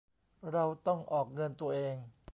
เราต้องออกเงินตัวเอง